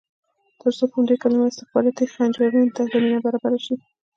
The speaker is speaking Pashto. ترڅو په همدې کلمه استخباراتي خنجرونو ته زمینه برابره شي.